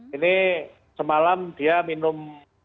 ini semalam dia minum